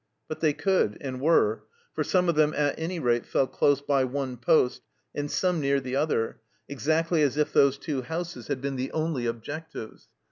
But they could, and were, for some of them at any rate fell close by one poste, and some near the other, exactly as if those two houses had been the only objectives.